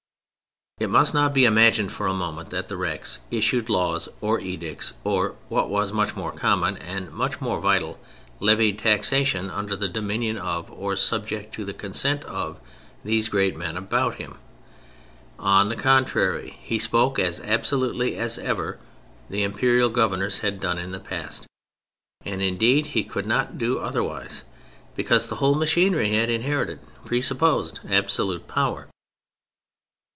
It must not be imagined for a moment that the Rex issued laws or edicts, or (what was much more common and much more vital) levied taxation under the dominion of, or subject to the consent of, these great men about him. On the contrary, he spoke as absolutely as ever the Imperial Governors had done in the past, and indeed he could not do otherwise because the whole machinery he had inherited presupposed absolute power.